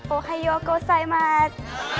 โอ้หายโยโกไซมัส